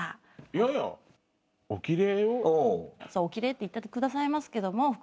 「おきれい」って言ってくださいますけども。